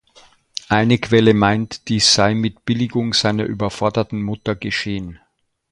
Eine Quelle meint, dies sei mit Billigung seiner überforderten Mutter geschehen.